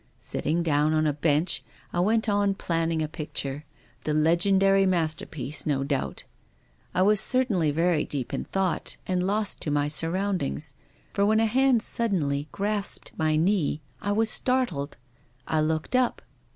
Sitting down on a bench, I went on planning a picture — the legen dary masterpiece, no doubt. I was certainly very deep in thought and lost to my surroundings, for when a hand suddenly grasped my knee I was startled. I looked up.